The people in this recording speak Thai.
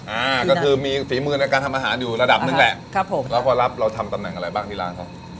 อ่าก็คือมีฝีมือในการทำอาหารอยู่ระดับหนึ่งแหละครับผมแล้วพอรับเราทำตำแหน่งอะไรบ้างที่ร้านเขา